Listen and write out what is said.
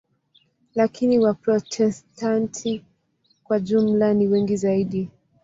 Lakini Waprotestanti kwa jumla ni wengi zaidi.